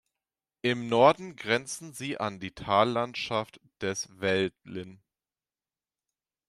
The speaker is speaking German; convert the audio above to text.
Im Norden grenzen sie an die Tallandschaft des Veltlin.